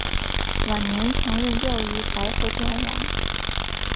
晚年曾任教于白河天皇。